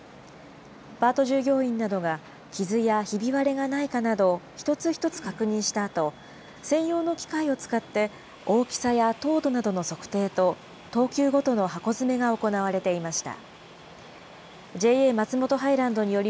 パート従業員などが、傷やひび割れがないかなど、一つ一つ確認したあと、専用の機械を使って、大きさや糖度などの測定と、等級ごとの箱詰めが行われていました。